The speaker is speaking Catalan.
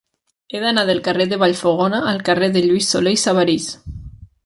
He d'anar del carrer de Vallfogona al carrer de Lluís Solé i Sabarís.